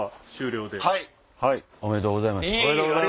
おめでとうございます。